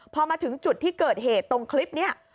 พอมาถึงจุดที่เกิดเหตุตรงคลิปนี้